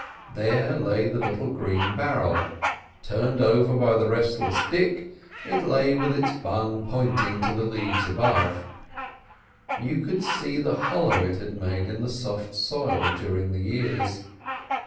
There lay the little green barrel; turned over by the restless Dick, it lay with its bung pointing to the leaves above. You could see the hollow it had made in the soft soil during the years.